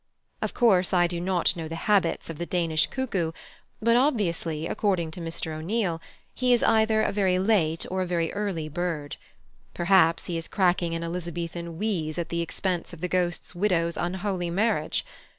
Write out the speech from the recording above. Of course, I do not know the habits of the Danish cuckoo, but obviously, according to Mr O'Neill, he is either a very late or a very early bird. Perhaps he is cracking an Elizabethan wheeze at the expense of the Ghost's widow's unholy marriage.